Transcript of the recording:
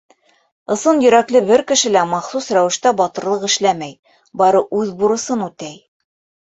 Ысын йөрәкле бер кеше лә махсус рәүештә батырлыҡ эшләмәй, бары үҙ бурысын үтәй.